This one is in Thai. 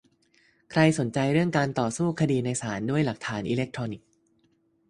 ใครสนใจเรื่องการต่อสู้คดีในศาลด้วยหลักฐานอิเล็กทรอนิกส์